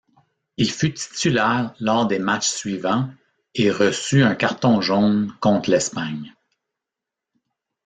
Il fut titulaire lors des matches suivants et reçut un carton jaune contre l'Espagne.